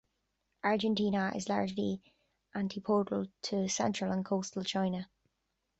Argentina is largely antipodal to central and coastal China.